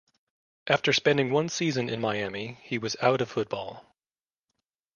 After spending one season in Miami he was out of football.